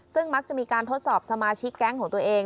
ซึ่งมักจะมีการทดสอบสมาชิกแก๊งของตัวเอง